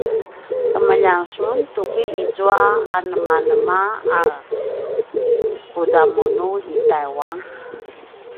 kemeljang sun tuki izua anemanema a kudamunu i taiwan?